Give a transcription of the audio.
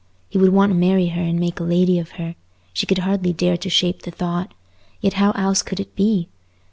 He would want to marry her and make a lady of her; she could hardly dare to shape the thought—yet how else could it be?